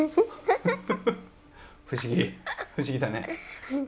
不思議不思議だね。